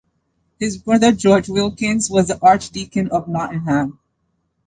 His brother George Wilkins was Archdeacon of Nottingham.